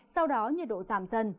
sau đó nhiệt độ giảm dần